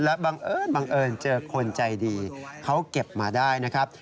และบังเอิญบังเอิญเจอคนใจดีเขาเก็บมาได้นะครับ